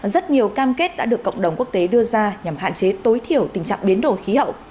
rất nhiều cam kết đã được cộng đồng quốc tế đưa ra nhằm hạn chế tối thiểu tình trạng biến đổi khí hậu